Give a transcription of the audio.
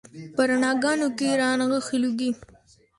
په رڼاګانو کې رانغښي لوګي